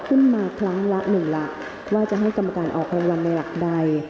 ขึ้นมาครั้งละหนึ่งหลักว่าจะให้กรรมการออกรางวัลในหลักใด